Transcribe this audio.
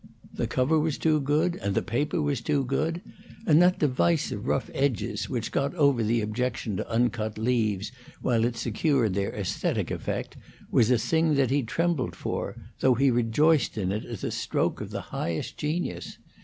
The cover was too good, and the paper was too good, and that device of rough edges, which got over the objection to uncut leaves while it secured their aesthetic effect, was a thing that he trembled for, though he rejoiced in it as a stroke of the highest genius.